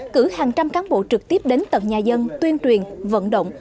cử hàng trăm cán bộ trực tiếp đến tận nhà dân tuyên truyền vận động